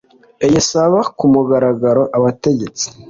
eisaba ku mugaragaro abategetsi